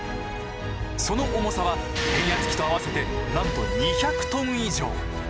その重さは変圧器と合わせてなんと２００トン以上！